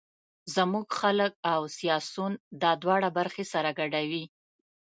زموږ خلک او سیاسون دا دواړه برخې سره ګډوي.